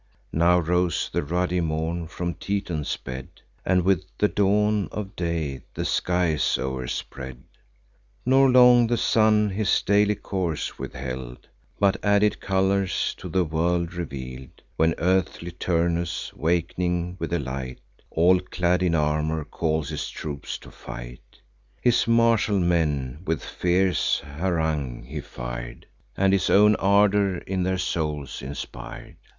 Now rose the ruddy morn from Tithon's bed, And with the dawn of day the skies o'erspread; Nor long the sun his daily course withheld, But added colours to the world reveal'd: When early Turnus, wak'ning with the light, All clad in armour, calls his troops to fight. His martial men with fierce harangue he fir'd, And his own ardour in their souls inspir'd.